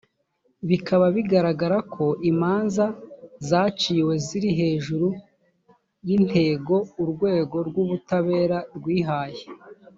bikaba bigaragara ko imanza zaciwe ziri hejuru y’intego urwego rw’ubutabera rwihaye y